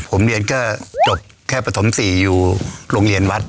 ผมเรียนก็จบแค่ปฐม๔อยู่โรงเรียนวัด